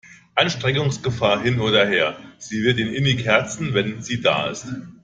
Ansteckungsgefahr hin oder her, sie wird ihn innig herzen, wenn sie da ist.